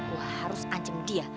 gue harus anjem dia